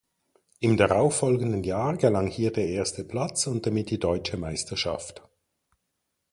Im darauffolgenden Jahr gelang hier der erste Platz und damit die deutsche Meisterschaft.